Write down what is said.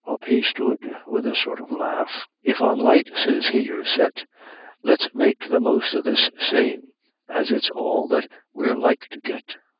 Up he stood with a sort o' laugh: "If on light," sez he, "ye're set, Let's make the most o' this same, as it's all that we're like to get."